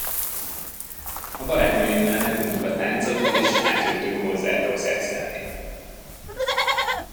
A barátnőimmel meguntuk a táncot, és átjöttünk hozzátok szexelni.